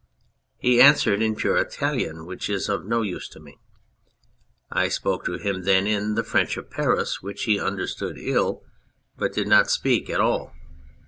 He answered in pure Italian, which is of no use to me. I spoke to him then in the French of Paris, which he understood ill, but did not speak at all.